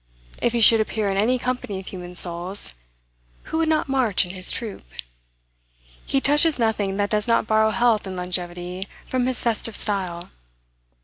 If he should appear in any company of human souls, who would not march in his troop? He touches nothing that does not borrow health and longevity from his festive style.